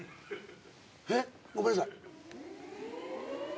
えっ？ごめんなさい。